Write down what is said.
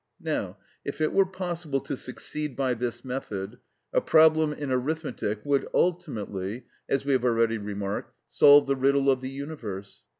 Now if it were possible to succeed by this method, a problem in arithmetic would ultimately, as we have already remarked, solve the riddle of the universe.